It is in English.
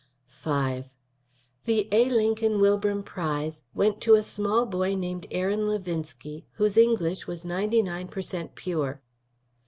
V The A. Lincoln Wilbram prize went to a small boy named Aaron Levinsky whose English was 99 per cent. pure.